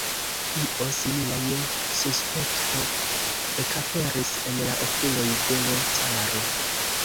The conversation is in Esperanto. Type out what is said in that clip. Io simila je suspekto ekaperis en la okuloj de l' caro.